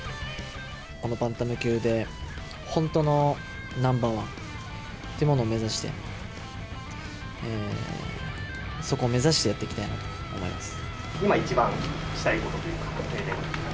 このバンタム級で、本当のナンバー１っていうものを目指して、そこを目指してやって今一番したいことというか。